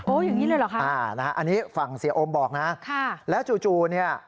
โอ้อย่างนี้เลยหรอคะณฮะอันนี้ฝั่งเสียโอมบอกนะฮะแล้วจู่เนี่ย